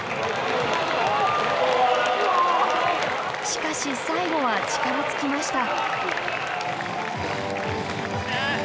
しかし、最後は力尽きました。